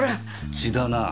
血だなあ。